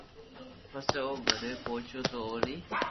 پسي او گھري پوچيو تو اوري